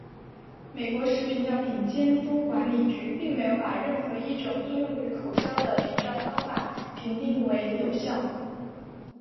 美国食品药品监督管理局并没有把任何一种应用于口交的屏障方法评定为有效。